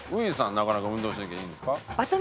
なかなか運動神経いいんですか？